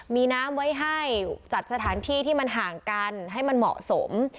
มีน้ำไว้ให้จัดสถานที่ที่มันห่างกันให้มันเหมาะสม